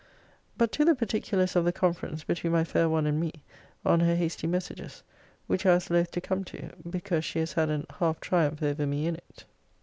But to the particulars of the conference between my fair one and me, on her hasty messages; which I was loth to come to, because she has had an half triumph over me in it.